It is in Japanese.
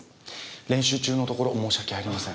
練習中のところ申し訳ありません。